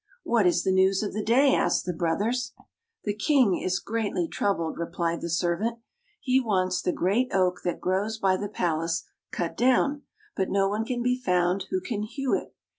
" What is the news of the day? " asked the brothers. " The King is greatly troubled," replied the servant. " He wants the great oak that grows by the palace cut down, but no one can be found who can hew it.